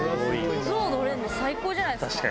象乗れるの最高じゃないっすか！